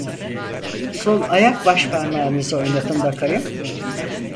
Sol ayak başparmağınızı oynatın bakayım.